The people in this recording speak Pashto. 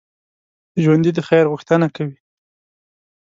ژوندي د خیر غوښتنه کوي